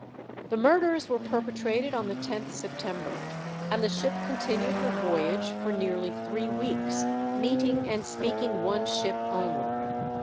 The murders were perpetrated on the 10th September, and the ship continued her voyage for nearly three weeks, meeting and speaking one ship only.